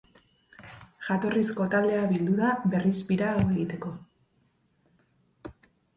Jatorrizko taldea bildu da berriz bira hau egiteko.